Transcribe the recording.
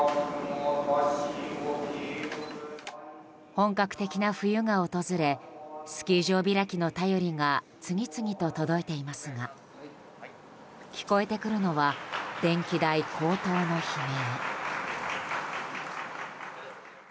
本格的な冬が訪れスキー場開きの便りが次々と届いていますが聞こえてくるのは電気代高騰の悲鳴。